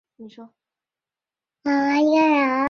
在欧洲及北美洲亦有其踪影。